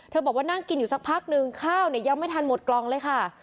บอกว่านั่งกินอยู่สักพักนึงข้าวเนี่ยยังไม่ทันหมดกล่องเลยค่ะ